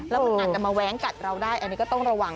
แล้วมันอาจจะมาแว้งกัดเราได้อันนี้ก็ต้องระวัง